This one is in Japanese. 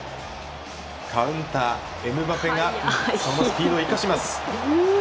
カウンター、エムバペがそのスピードを生かします。